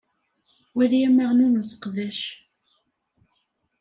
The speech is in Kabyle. Wali amaɣnu n useqdac:.